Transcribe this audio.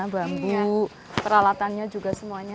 bambu peralatannya juga semuanya